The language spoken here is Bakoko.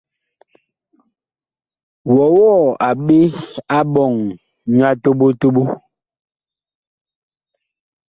Wɔwɔɔ a ɓe a ɓɔŋ nyu a toɓo toɓo ?